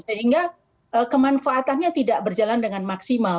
sehingga kemanfaatannya tidak berjalan dengan maksimal